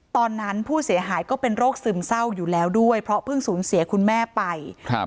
ตอนนั้นผู้เสียหายก็เป็นโรคซึมเศร้าอยู่แล้วด้วยเพราะเพิ่งสูญเสียคุณแม่ไปครับ